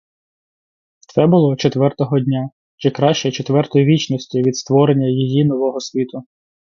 Це було четвертого дня, чи краще — четвертої вічності від створення її нового світу.